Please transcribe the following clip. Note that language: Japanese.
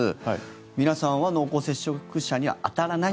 皆さんは濃厚接触者に当たらないと。